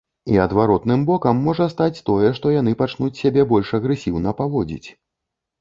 І адваротным бокам можа стаць тое, што яны пачнуць сябе больш агрэсіўна паводзіць.